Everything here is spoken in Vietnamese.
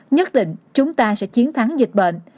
nhất định chúng ta sẽ chiến thắng dịch bệnh